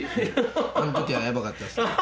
あの時はやばかったですね。